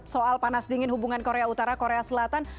soal panas dingin hubungan korea utara korea selatan